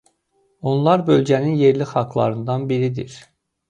Onlar bölgənin yerli xalqlarından biridir.